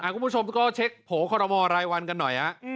คุณผู้ชมก็เช็คโผล่คอรมอลรายวันกันหน่อย